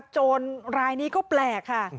โจรรายนี้ก็แปลกค่ะ